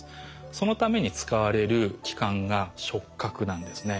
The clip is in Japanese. そのために使われる器官が触角なんですね。